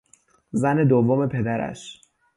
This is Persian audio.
زن دوم پدرش